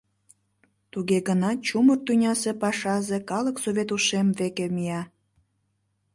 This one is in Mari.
Туге гынат чумыр тӱнясе пашазе калык Совет Ушем веке мия.